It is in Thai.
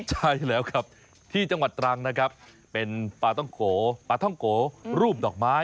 ใช่แล้วครับที่จังหวัดตรังนะครับเป็นปลาต้องโกปลาท่องโกรูปดอกไม้